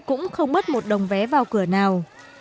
cũng không mất một đồng vé vào cửa nào